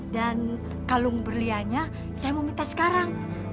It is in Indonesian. dan kalung berlianya saya mau minta sekarang